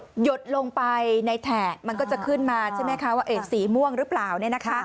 หยดลงไปในแถะมันก็จะขึ้นมาใช่ไหมคะว่าสีม่วงหรือเปล่า